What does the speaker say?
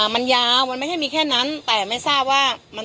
มันยาวมันไม่ใช่มีแค่นั้นแต่ไม่ทราบว่า